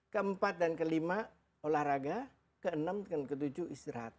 ke empat dan ke lima olahraga ke enam dan ke tujuh istirahat